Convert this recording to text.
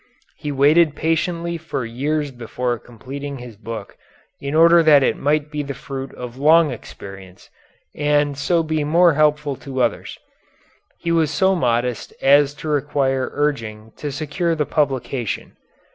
He waited patiently for years before completing his book in order that it might be the fruit of long experience, and so be more helpful to others. He was so modest as to require urging to secure the publication.